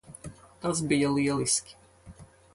Tas bija lieliski.